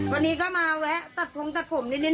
วันนี้ก็มาแวะตัดโครงตัดผมนิดหน่อย